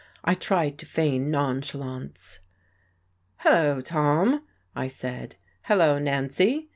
I tried to feign nonchalance. "Hello, Tom," I said. "Hello, Nancy.